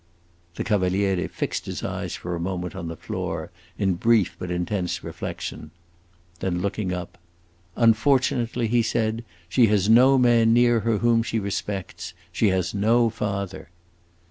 The Cavaliere fixed his eyes for a moment on the floor, in brief but intense reflection. Then looking up, "Unfortunately," he said, "she has no man near her whom she respects; she has no father!"